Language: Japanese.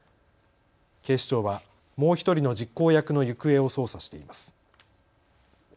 警視庁はもう１人の実行役の行方を捜査しています。